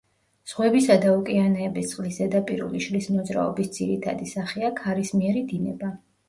ზღვებისა და ოკეანეების წყლის ზედაპირული შრის მოძრაობის ძირითადი სახეა ქარისმიერი დინება.